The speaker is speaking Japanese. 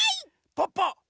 ポッポ！